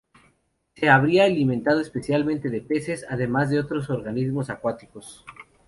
Se habría alimentado especialmente de peces además de otros organismos acuáticos.